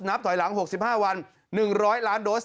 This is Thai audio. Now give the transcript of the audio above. ถอยหลัง๖๕วัน๑๐๐ล้านโดส